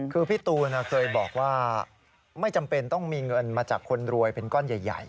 คือพี่ตูนเคยบอกว่าไม่จำเป็นต้องมีเงินมาจากคนรวยเป็นก้อนใหญ่